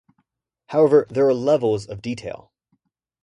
However, there are levels of detail.